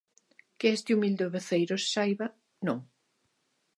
Que este humilde voceiro saiba, non.